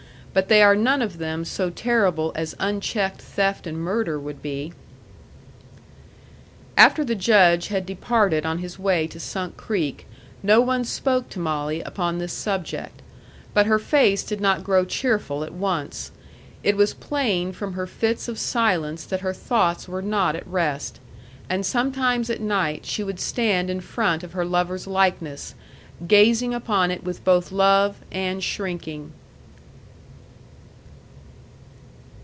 But they are none of them so terrible as unchecked theft and murder would be." After the Judge had departed on his way to Sunk Creek, no one spoke to Molly upon this subject. But her face did not grow cheerful at once. It was plain from her fits of silence that her thoughts were not at rest. And sometimes at night she would stand in front of her lover's likeness, gazing upon it with both love and shrinking.